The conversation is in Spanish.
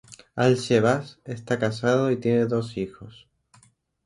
Al-Shehbaz está casado y tiene dos hijos.